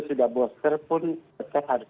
sudah booster pun tetap harus